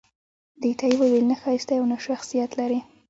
دې ته يې وويل نه ښايسته يې او نه شخصيت لرې